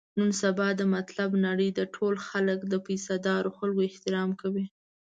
نن سبا د مطلب نړۍ ده، ټول خلک د پیسه دارو خلکو احترام کوي.